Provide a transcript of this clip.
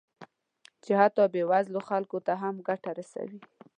چې حتی بې وزلو خلکو ته هم ګټه رسوي